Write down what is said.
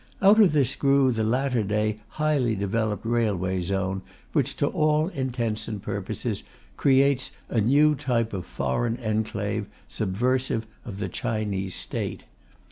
Out of this grew the latter day highly developed railway zone which, to all intents and purposes, creates a new type of foreign enclave, subversive of the Chinese State.